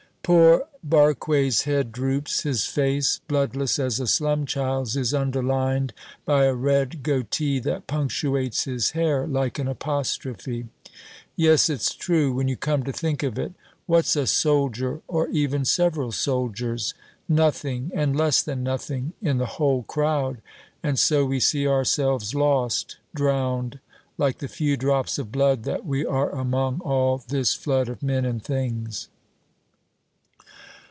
Poor Barque's head droops. His face, bloodless as a slum child's, is underlined by a red goatee that punctuates his hair like an apostrophe: "Yes, it's true, when you come to think of it. What's a soldier, or even several soldiers? Nothing, and less than nothing, in the whole crowd; and so we see ourselves lost, drowned, like the few drops of blood that we are among all this flood of men and things."